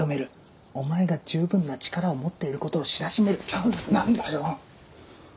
お前が十分な力を持っていることを知らしめるチャンスなんだよ。